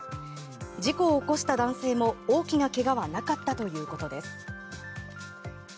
事故を起こした男性も大きなけがはなかったということです。